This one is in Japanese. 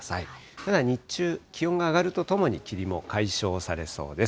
ただ日中、気温が上がるとともに、霧も解消されそうです。